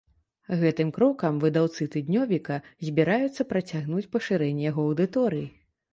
Гэтым крокам выдаўцы тыднёвіка збіраюцца працягнуць пашырэнне яго аўдыторыі.